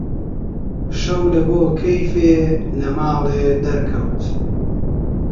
شەو لەبۆ کەیفێ لە ماڵێ دەرکەوت: